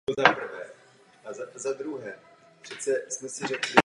Závěrečné rekonstrukce se divadlo dočkalo v devadesátých letech.